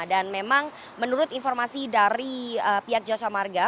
dan memang menurut informasi dari pihak jasa marga